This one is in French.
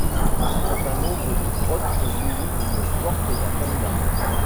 Un certain nombre de grottes sont munies d'une porte et d'un cadenas.